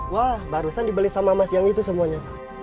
wah barusan dibeli sama emas yang itu semuanya